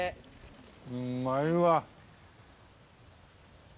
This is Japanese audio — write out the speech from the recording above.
うまいわ。